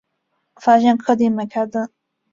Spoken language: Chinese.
发现客厅没开灯